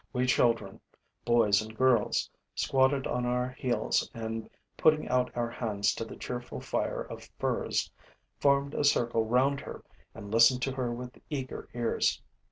We children, boys and girls, squatting on our heels and putting out our hands to the cheerful fire of furze, formed a circle round her and listened to her with eager ears.